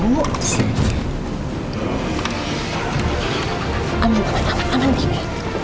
aman aman aman aman ini